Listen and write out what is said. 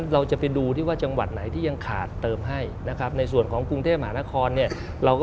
เราจะไปดูที่ว่าจังหวัดไหนที่ยังขาดเติมให้นะครับ